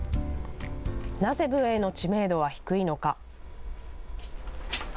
なぜ武営の知名度は低いのか。